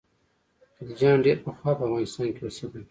خلجیان ډېر پخوا په افغانستان کې اوسېدل.